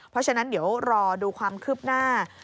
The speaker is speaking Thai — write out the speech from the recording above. เพราะฉะนั้นเดี๋ยวรอดูความคืบหน้า